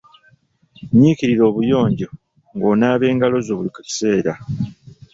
Nyiikirira obuyonjo ng’onaaba engalo zo buli kaseera.